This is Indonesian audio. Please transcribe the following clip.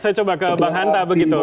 saya coba ke bang hanta begitu